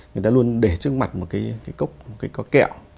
người ta luôn để trước mặt một cái cốc một cái có kẹo